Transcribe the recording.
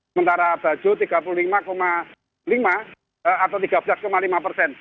sementara bajo tiga puluh lima lima atau tiga belas lima persen